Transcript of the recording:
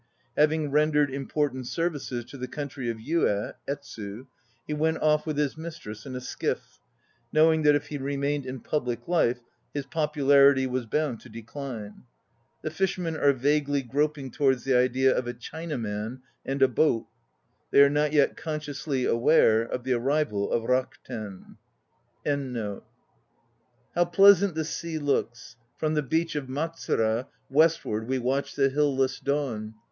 Having rendered important services to the country of Yueh (Etsu), he went off with his mistress in a skiff, knowing that if he remained in public life his popularity was bound to decline. The Fishermen are vaguely groping towards the idea of "a Chinaman" and a "boat." They are not yet consciously aware of the arrival of Rakuten, HAKU RAKUTEN 209 And rowed in a little boat Over the misty waves of the Five Lakes. How pleasant the sea looks! From the beach of Matsura Westward we watch the hill less dawn.